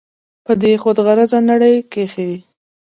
په دې خود غرضه نړۍ کښې